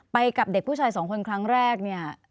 กับเด็กผู้ชายสองคนครั้งแรกเนี่ย